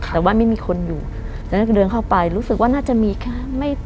แต่ว่าไม่มีคนอยู่ตอนนั้นก็เดินเข้าไปรู้สึกว่าน่าจะมีแค่ไม่